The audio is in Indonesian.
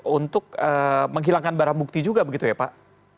untuk menghilangkan barang bukti juga begitu ya pak